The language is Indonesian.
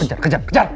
kejar kejar kejar